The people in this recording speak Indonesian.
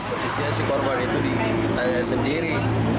posisinya si korban itu diminta sendiri